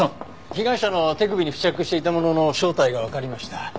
被害者の手首に付着していたものの正体がわかりました。